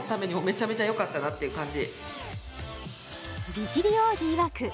美尻王子いわく